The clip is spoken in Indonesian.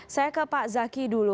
saya ke pak zaki dulu